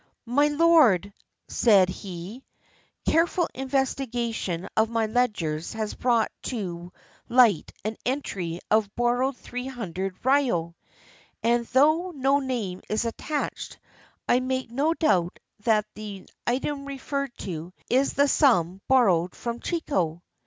" My lord," said he, " careful investigation of my ledgers has brought to light an entry of 'Borrowed three hundred ryo'; and though no name is attached, I make no doubt that the item referred to is the sum borrowed from Chiko."